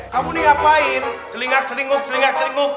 kamu ngapain telinga telinga telinga telinga